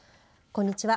こんにちは。